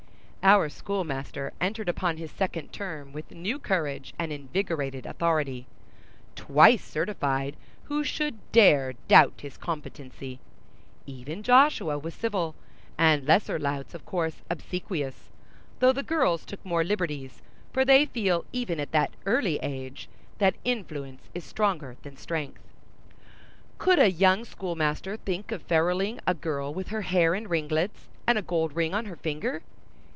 Our schoolmaster entered upon his second term with new courage and invigorated authority. Twice certified, who should dare doubt his competency? Even Joshua was civil, and lesser louts of course obsequious; though the girls took more liberties, for they feel even at that early age, that influence is stronger than strength. Could a young schoolmaster think of feruling a girl with her hair in ringlets and a gold ring on her finger?